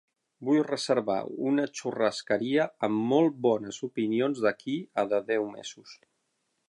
Vull reservar una "churrascaria" amb molt bones opinions d'aquí a de deu mesos.